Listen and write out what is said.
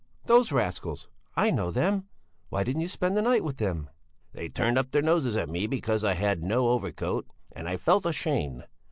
Those rascals! I know them! Why didn't you spend the night with them?" "They turned up their noses at me because I had no overcoat, and I felt ashamed.